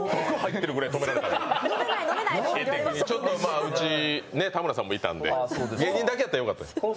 画的に、田村さんもいたんで、芸人だけやったらよかったかも。